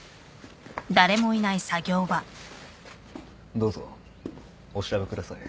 どうぞお調べください。